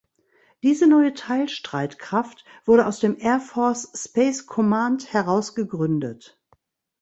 Diese neue Teilstreitkraft wurde aus dem Air Force Space Command heraus gegründet.